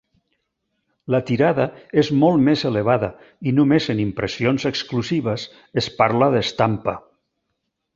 La tirada és molt més elevada i només en impressions exclusives es parla d'estampa.